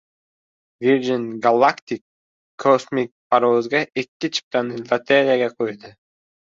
Virgin Galactic kosmik parvozga ikkita chiptani lotereyaga qo‘ydi